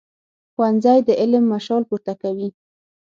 ښوونځی د علم مشال پورته کوي